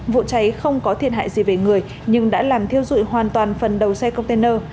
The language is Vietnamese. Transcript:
vụ cháy không có thiệt hại gì về người nhưng đã làm thiêu dụi hoàn toàn phần đầu xe container